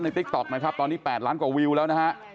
ติ๊กต๊อกนะครับตอนนี้๘ล้านกว่าวิวแล้วนะฮะ